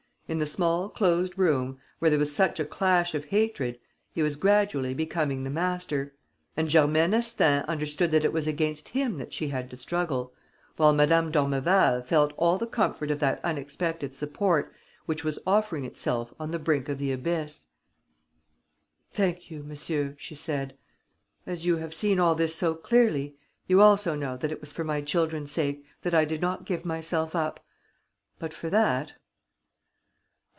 In the small, closed room, where there was such a clash of hatred, he was gradually becoming the master; and Germaine Astaing understood that it was against him that she had to struggle, while Madame d'Ormeval felt all the comfort of that unexpected support which was offering itself on the brink of the abyss: "Thank you, monsieur," she said. "As you have seen all this so clearly, you also know that it was for my children's sake that I did not give myself up. But for that